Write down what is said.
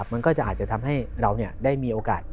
มันก็จะอาจจะทำให้เราได้มีโอกาส